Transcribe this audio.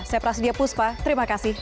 saya prasidya puspa terima kasih